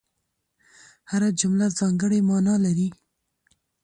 هره جمله ځانګړې مانا لري.